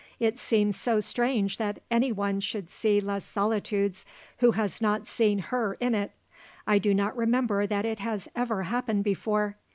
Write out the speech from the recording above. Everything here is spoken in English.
"It seems so strange that anyone should see Les Solitudes who has not seen her in it. I do not remember that it has ever happened before.